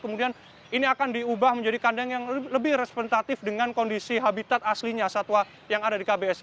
kemudian ini akan diubah menjadi kandang yang lebih representatif dengan kondisi habitat aslinya satwa yang ada di kbs